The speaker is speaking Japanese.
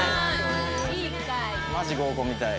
マジ合コンみたい。